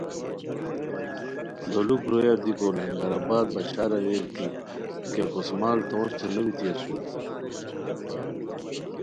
دولوک رویہ دیکو لنگرآباد بشار اریرکی کیہ کوس مال تونج تھے نو بیتی اسونی